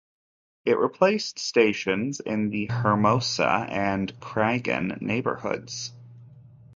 It replaced stations in the Hermosa and Cragin neighborhoods.